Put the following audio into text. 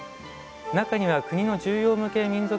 中には国の重要無形民俗